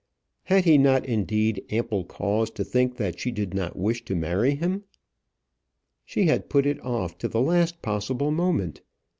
Had he not indeed ample cause to think that she did not wish to marry him? She had put it off to the last possible moment.